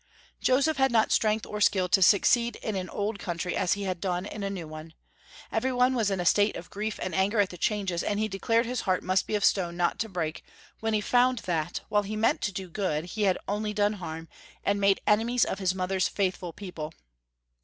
Joseph had not strength or skill to succeed in an old country as he had done in a new one. Every one was in a state of grief and anger at the changes, and he declared his heart must be of stone not to break when he found that, whUe he meant to do good, he had only done harm, and made enemies of his mother's faithful people.